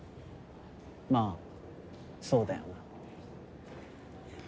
まぁそうだよな。